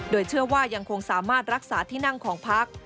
โดยเชื่อว่ายังคงสามารถรักษาที่นั่งของพัก